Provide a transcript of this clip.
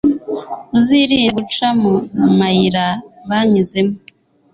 uzirinde guca mu mayira banyuzemo